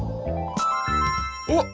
おっ！